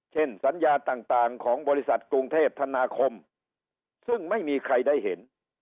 สัญญาต่างของบริษัทกรุงเทพธนาคมซึ่งไม่มีใครได้เห็น